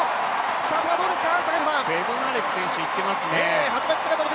スタートはどうですか？